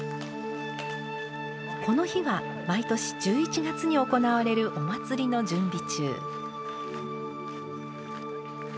この日は毎年１１月に行われるお祭りの準備中。